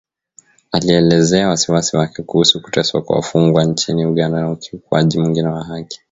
alielezea wasiwasi wake kuhusu kuteswa kwa wafungwa nchini Uganda na ukiukwaji mwingine wa haki